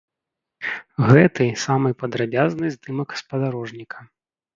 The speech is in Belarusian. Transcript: Гэты самы падрабязны здымак спадарожніка.